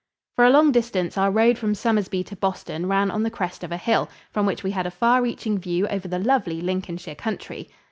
For a long distance our road from Somersby to Boston ran on the crest of a hill, from which we had a far reaching view over the lovely Lincolnshire country.